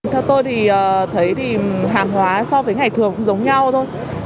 theo tôi thì thấy thì hàng hóa so với ngày thường cũng giống nhau thôi